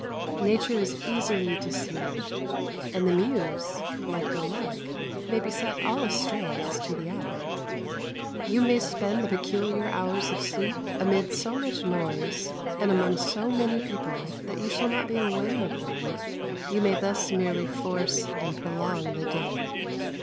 Nature is easily deceived; and the muse, like the lark, may be set all astray as to the hour. You may spend the peculiar hours of sleep amid so much noise and among so many people that you shall not be aware of them; you may thus merely force and prolong the day.